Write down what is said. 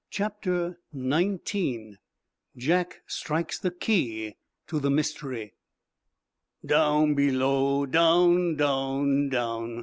CHAPTER XIX JACK STRIKES THE KEY TO THE MYSTERY "Down below! Down, down, down!"